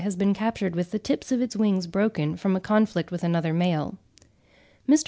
has been captured with the tips of its wings broken from a conflict with another male. Mr.